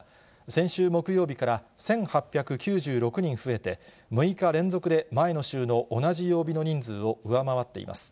先週木曜日から１８９６人増えて、６日連続で前の週の同じ曜日の人数を上回っています。